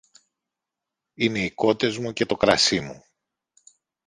Είναι οι κότες μου και το κρασί μου